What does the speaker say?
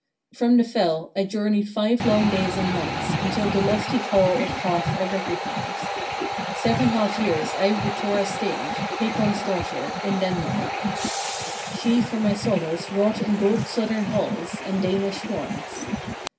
13. From the fell I journeyed five long days and nights, until the lofty hall of Half I recognized. Seven half years I with Thora stayed, Hakon's daughter, in Denmark. 14. She for my solace wrought in gold southern halls, and Danish swans.